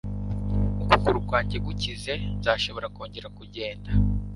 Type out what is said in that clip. Ukuguru kwanjye gukize, nzashobora kongera kugenda.